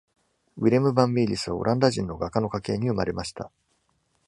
ウィレム・バン・ミーリスはオランダ人の画家の家系に生まれました。